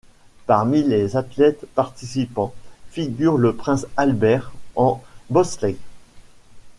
Parmi les athlètes participants, figure le Prince Albert, en bobsleigh.